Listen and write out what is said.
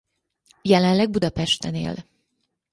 Jelenleg Budapesten él.